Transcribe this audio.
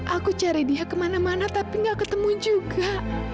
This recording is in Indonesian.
aku cari dia kemana mana tapi gak ketemu juga